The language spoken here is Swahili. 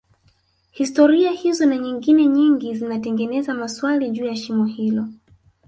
historia hizo na nyingine nyingi zinatengeza maswali juu ya shimo hilo